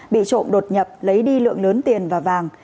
bị trộm đột nhập lấy đi lượng lớn tiền và vàng